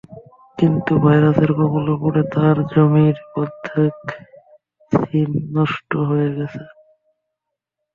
কিন্তু ভাইরাসের কবলে পড়ে তাঁর জমির অর্ধেক শিম নষ্ট হয়ে গেছে।